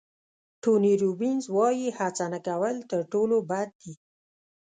ټوني روبینز وایي هڅه نه کول تر ټولو بد دي.